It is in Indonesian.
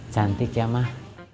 cantik ya mah